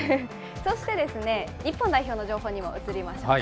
そして、日本代表の情報にも移りましょうか。